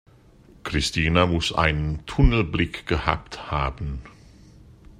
Christina muss einen Tunnelblick gehabt haben.